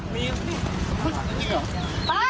มีมีมีมีมีมีมี